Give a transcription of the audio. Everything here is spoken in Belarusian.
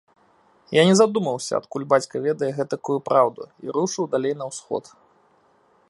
Я не задумаўся, адкуль бацька ведае гэтакую праўду, і рушыў далей на ўсход.